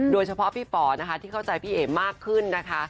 โดยเฉพาะพี่ป๋อนะคะที่เข้าใจพี่เอ๋มากขึ้นนะคะ